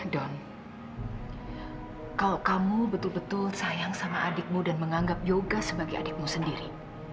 kalau kamu betul betul sayang sama adikmu dan menganggap yoga sebagai adikmu sendiri